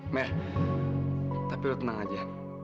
meh tapi udah tenang aja